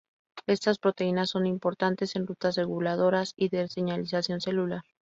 Estas proteínas son importantes en rutas reguladoras y de señalización celular.